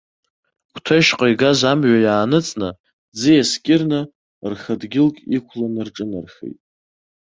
Қәҭешьҟа игаз амҩа иааныҵны, ӡиаск ирны, рха дгьылк иқәланы рҿынархеит.